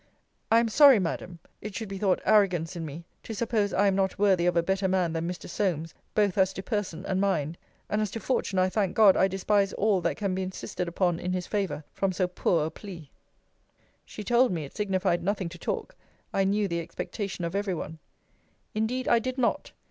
I am sorry, Madam, it should be thought arrogance in me, to suppose I am not worthy of a better man than Mr. Solmes, both as to person and mind: and as to fortune, I thank God I despise all that can be insisted upon in his favour from so poor a plea. She told me, It signified nothing to talk: I knew the expectation of every one. Indeed I did not.